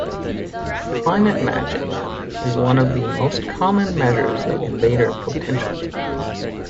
Climate matching is one of the most common measures of invader potential.